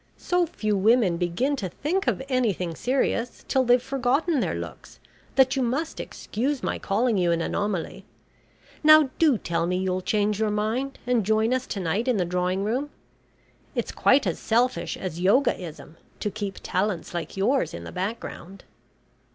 So few women begin to think of anything serious till they've forgotten their looks, that you must excuse my calling you an anomaly. Now do tell me you'll change your mind and join us to night in the drawing room. It's quite as selfish as Yogaism to keep talents like yours in the background."